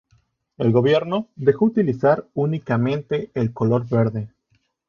El gobierno, dejó utilizar únicamente el color verde.